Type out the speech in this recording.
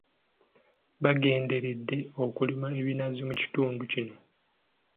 Bagenderedde okulima ebinazi mu kitundu kino.